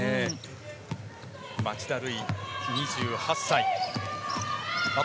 町田瑠唯、２８歳。